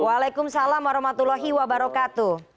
waalaikumsalam warahmatullahi wabarakatuh